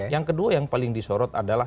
yang kedua yang paling disorot adalah